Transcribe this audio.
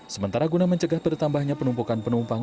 sementara guna mencegah bertambahnya penumpukan penumpang